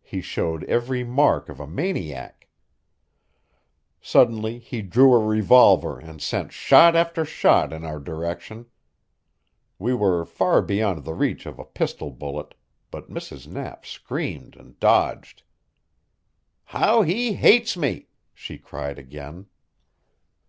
He showed every mark of a maniac. Suddenly he drew a revolver and sent shot after shot in our direction. We were far beyond the reach of a pistol bullet, but Mrs. Knapp screamed and dodged. "How he hates me!" she cried again.